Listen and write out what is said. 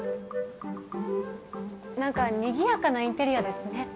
何かにぎやかなインテリアですね